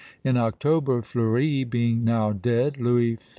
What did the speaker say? In October, Fleuri being now dead, Louis XV.